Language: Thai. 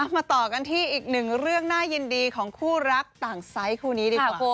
มาต่อกันที่อีกหนึ่งเรื่องน่ายินดีของคู่รักต่างไซส์คู่นี้ดีครับคุณ